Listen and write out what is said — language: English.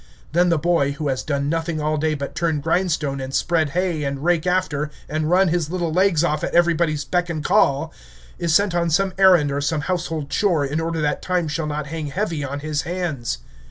Then the boy, who has done nothing all day but turn grindstone, and spread hay, and rake after, and run his little legs off at everybody's beck and call, is sent on some errand or some household chore, in order that time shall not hang heavy on his hands.